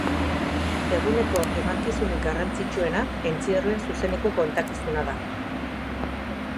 Eguneko emankizunik garrantzitsuena entzierroen zuzeneko kontakizuna da.